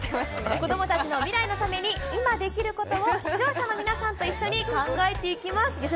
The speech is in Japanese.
子どもたちの未来のために、今できることを視聴者の皆さんと一緒に考えていきます。